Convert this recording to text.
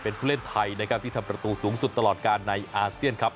เป็นผู้เล่นไทยนะครับที่ทำประตูสูงสุดตลอดการในอาเซียนครับ